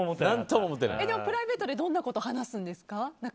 プライベートではどんなことを話すんですか？